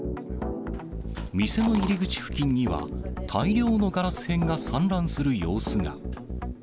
店の入り口付近には、大量のガラス片が散乱する様子が。